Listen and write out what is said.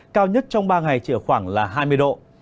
cao nhất trong ba ngày chỉ ở khoảng là hai mươi độ